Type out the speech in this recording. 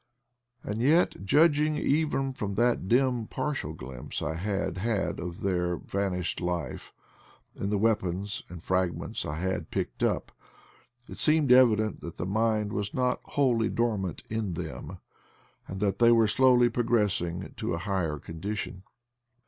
And yet, judging even from that dim partial glimpse I had had of their vanished life, in the weapons and fragments I had picked up, it seemed evident that the mind was not wholly dor mant in them, and that they were slowly pro gressing to a higher condition.